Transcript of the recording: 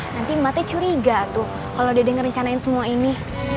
nanti emak teh curiga tuh kalo dedek ngerencanain semua ini